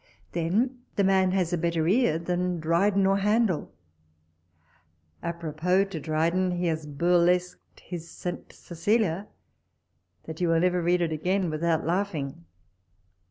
Then the man has a better ear than Dryden or Handel. Apropos to Dryden, he has burlesqued his St. Cecilia, that you will never read it again without laugh ing.